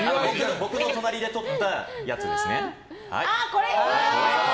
僕の隣で撮ったやつですね。